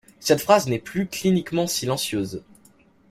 Cette phase n'est plus cliniquement silencieuse.